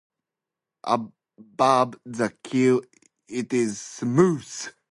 Above the keel it is smooth.